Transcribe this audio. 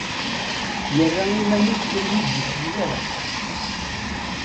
Yerra iman-is ur d iyi-d-yesli ara.